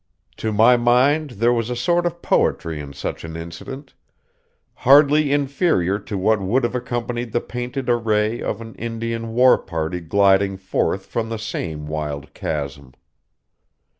To my mind there was a sort of poetry in such an incident, hardly inferior to what would have accompanied the painted array of an Indian war party gliding forth from the same wild chasm.